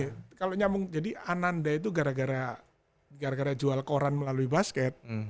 jadi gini kalau nyambung jadi ananda itu gara gara jual koran melalui basket